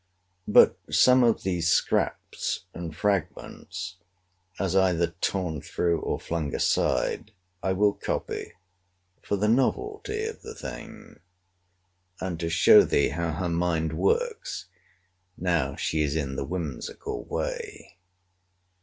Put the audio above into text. But some of the scraps and fragments, as either torn through, or flung aside, I will copy, for the novelty of the thing, and to show thee how her mind works now she is in the whimsical way.